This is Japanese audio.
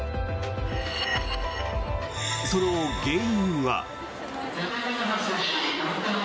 その原因は。